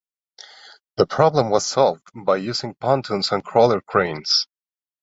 The problem was solved by using pontoons and crawler cranes.